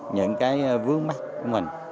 những cái vướng mắt của mình